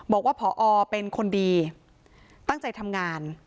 บอกว่าผอเป็นคนดีตั้งใจทำงาน